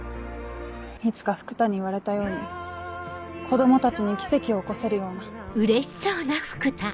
いつか福多に言われたように子供たちに奇跡を起こせるような。